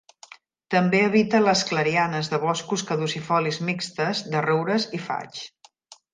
També habita les clarianes de boscos caducifolis mixtes de roures i faigs.